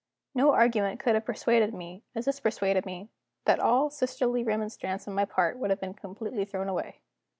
No argument could have persuaded me, as this persuaded me, that all sisterly remonstrance on my part would be completely thrown away.